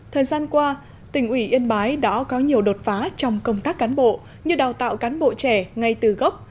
thời gian qua tỉnh ủy yên bái đã có nhiều đột phá trong công tác cán bộ như đào tạo cán bộ trẻ ngay từ gốc